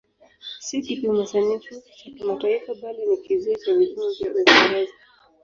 Si kipimo sanifu cha kimataifa bali ni kizio cha vipimo vya Uingereza.